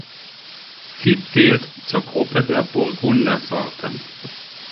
Sie zählt zur Gruppe der Burgundersorten.